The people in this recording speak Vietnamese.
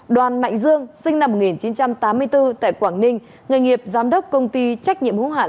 đoàn mạnh dương sinh năm một nghìn chín trăm tám mươi bốn tại quảng ninh nghề nghiệp giám đốc công ty trách nhiệm hữu hạn